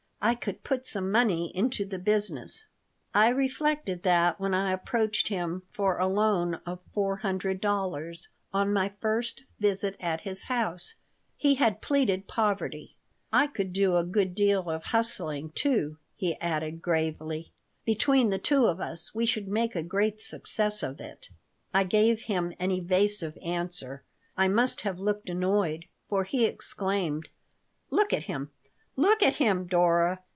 I could put some money into the business." I reflected that when I approached him for a loan of four hundred dollars, on my first visit at his house, he had pleaded poverty "I could do a good deal of hustling, too," he added, gravely. "Between the two of us we should make a great success of it." I gave him an evasive answer. I must have looked annoyed, for he exclaimed: "Look at him! Look at him, Dora!